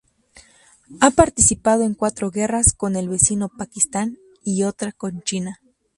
Ha participado en cuatro guerras con el vecino Pakistán y otra con China.